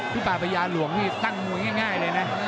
ป่าพญาหลวงนี่ตั้งมวยง่ายเลยนะ